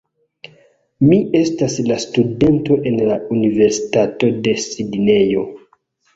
Mi estas la studento en la Universitato de Sidnejo